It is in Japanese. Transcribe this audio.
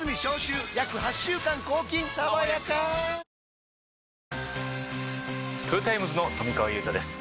これはもうトヨタイムズの富川悠太です